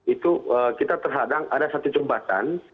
itu kita terhadang ada satu jembatan